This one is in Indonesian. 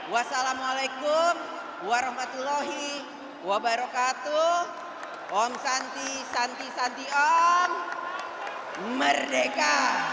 wassalamualaikum warahmatullahi wabarakatuh om santi santi santi om merdeka